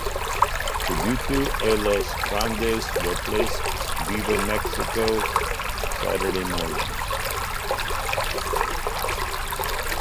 Tributo A Los Grandes replaced Viva Mexico for Saturday Mornings.